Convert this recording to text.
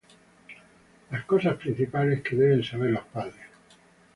Las cosas principales que deben saber los padres